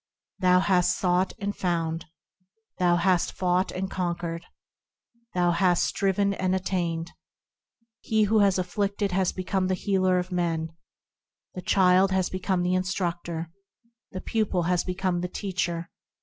Thou hast sought and found ; Thou hast fought and conquered ; Thou hast striven and attained ; He who has afflicted has become the healer of men : The child has become the Instructor. The pupil has become the Teacher.